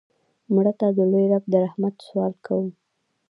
مړه ته د لوی رب د رحمت سوال کوو